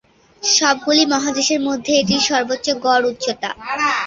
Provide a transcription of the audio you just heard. সবগুলি মহাদেশের মধ্যে এটিই সর্বোচ্চ গড় উচ্চতা।